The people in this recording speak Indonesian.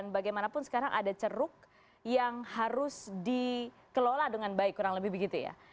bagaimanapun sekarang ada ceruk yang harus dikelola dengan baik kurang lebih begitu ya